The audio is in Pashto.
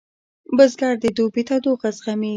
بزګر د دوبي تودوخه زغمي